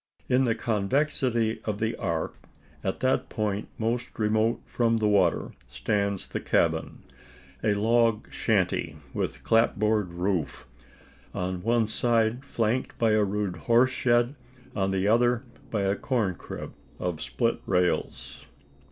In the convexity of the arc, at that point most remote from the water, stands the cabin a log "shanty" with "clapboard" roof on one side flanked by a rude horse shed, on the other by a corn crib of split rails.